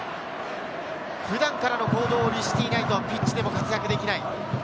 普段からの行動を見せていないと、ピッチでも活躍できない。